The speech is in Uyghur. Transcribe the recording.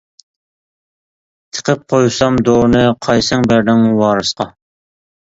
تىقىپ قويسام دۇرىنى، قايسىڭ بەردىڭ ۋارىسقا.